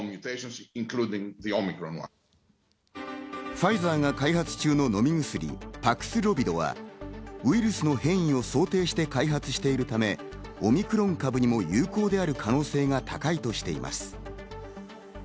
ファイザーが開発中の飲み薬、パクスロビドはウイルスの変異を想定して開発しているため、オミクロン株にも有効である可能性が高いとしています。